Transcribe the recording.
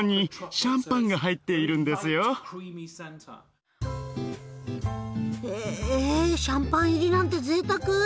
シャンパン入りなんてぜいたく！